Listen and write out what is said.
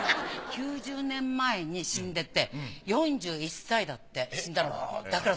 ９０年前に死んでて４１歳だって死んだのが。